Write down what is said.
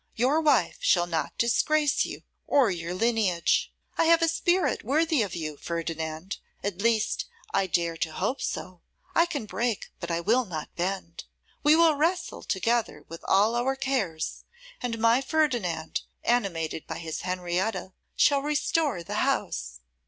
Your wife shall not disgrace you or your lineage. I have a spirit worthy of you, Ferdinand; at least, I dare to hope so. I can break, but I will not bend. We will wrestle together with all our cares; and my Ferdinand, animated by his Henrietta, shall restore the house.